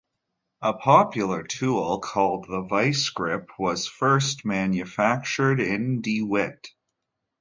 A popular tool, called the Vise-Grip, was first manufactured in De Witt.